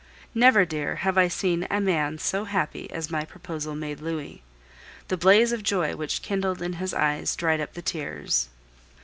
Never, dear, have I seen a man so happy as my proposal made Louis. The blaze of joy which kindled in his eyes dried up the tears.